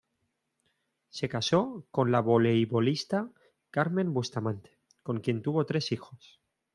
Se casó con la voleibolista Carmen Bustamante, con quien tuvo tres hijos.